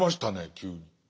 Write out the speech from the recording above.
急に。